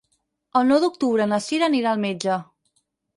El nou d'octubre na Sira anirà al metge.